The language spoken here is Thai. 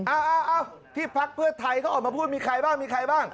เอาที่ภักดิ์เพื่อไทยเขาออกมาพูดมีใครบ้างบ้าง